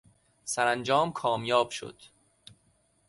سرانجام کامیاب شد.